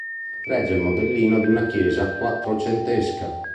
Regge il modellino di una chiesa quattrocentesca.